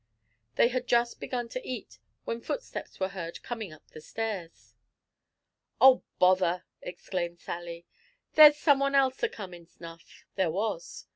They had just began to eat, when footsteps were heard coming up the stairs. "Oh bother!" exclaimed Sally. "There's some one else a comin', s'nough." There was.